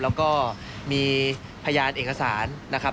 แล้วก็มีพยานเอกสารนะครับ